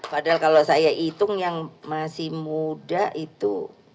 padahal kalau saya hitung yang masih muda itu